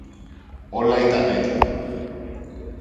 Όλα ήταν έτοιμα.